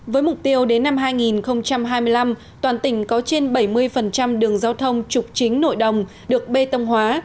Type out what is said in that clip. với mục tiêu đến năm hai nghìn hai mươi năm toàn tỉnh có trên bảy mươi đường giao thông trục chính nội đồng được bê tông hóa